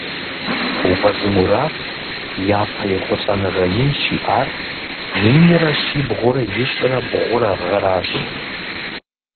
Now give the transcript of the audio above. Уэзы Мурат япэ ехъулӏэныгъэ ин щиӏар минрэ щибгъурэ ищӏрэ бгъурэ гъэращ.